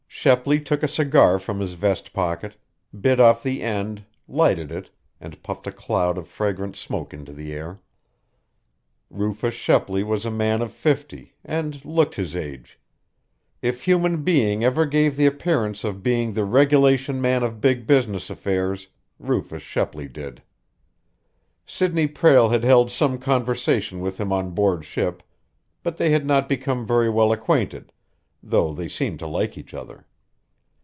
Shepley took a cigar from his vest pocket, bit off the end, lighted it, and puffed a cloud of fragrant smoke into the air. Rufus Shepley was a man of fifty, and looked his age. If human being ever gave the appearance of being the regulation man of big business affairs, Rufus Shepley did. Sidney Prale had held some conversation with him on board ship, but they had not become very well acquainted, though they seemed to like each other.